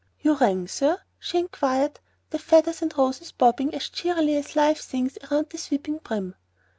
"You rang, sir?" she inquired, the feathers and roses bobbing as cheerily as live things around the sweeping brim.